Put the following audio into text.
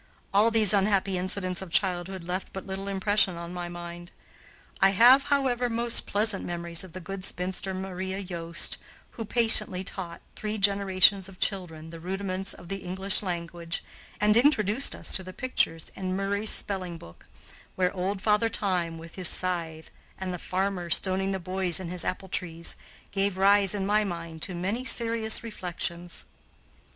All these unhappy incidents of childhood left but little impression on my mind. I have, however, most pleasant memories of the good spinster, Maria Yost, who patiently taught three generations of children the rudiments of the English language, and introduced us to the pictures in "Murray's Spelling book," where Old Father Time, with his scythe, and the farmer stoning the boys in his apple trees, gave rise in my mind to many serious reflections.